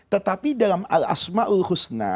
tetapi dalam al asma'ul husna